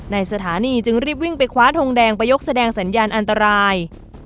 ในสถานีจึงรีบวิ่งไปคว้าทงแดงไปยกแสดงสัญญาณอันตราย